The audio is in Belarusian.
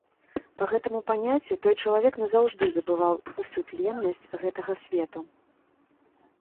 Па гэтаму паняццю, той чалавек назаўжды забываў усю тленнасць гэтага свету.